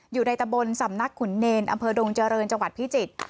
อยู่ในตะบนสำนักขุนเนรอำเภอดงเจริญจังหวัดพิจิตร